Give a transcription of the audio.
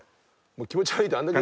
気持ち悪いってあんだけ。